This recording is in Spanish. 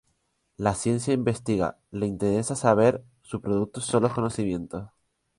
La ciencia investiga, le interesa saber, su producto son los conocimientos.